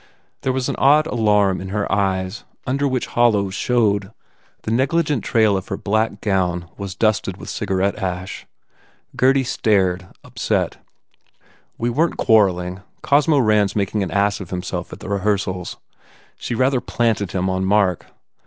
There was an odd alarm in her eyes under which hollows showed. The negligent trail of her black gown was dusted with cigarette ash. Gurdy stared, upset. "We weren t quarrelling. Cosmo Rand s mak ing an ass of himself at the rehearsals. She rather planted him on Mark.